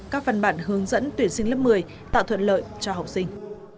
các văn bản hướng dẫn tuyển sinh lớp một mươi tạo thuận lợi cho học sinh